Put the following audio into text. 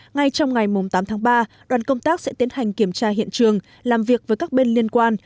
ngay trong ngày tám tháng ba đoàn công tác sẽ tiến hành kiểm tra hiện trường làm việc với các bên liên quan